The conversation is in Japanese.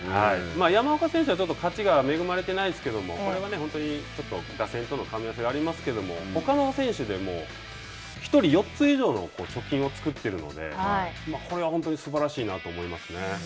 山岡選手はちょっと勝ちが恵まれてないですけどもこれは本当にちょっと打線とのかみ合わせがありますけれども、ほかの選手でも１人４つ以上の貯金を作ってるのでこれは本当にすばらしいなと思いますね。